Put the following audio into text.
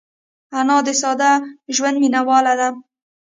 انا د ساده ژوند مینهواله ده